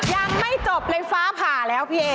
ยังไม่จบเลยฟ้าผ่าแล้วพี่เอ